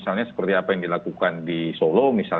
misalnya seperti apa yang dilakukan di solo